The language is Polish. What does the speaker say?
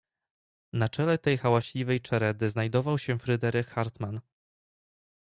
"Na czele tej hałaśliwej czeredy znajdował się Fryderyk Hartmann."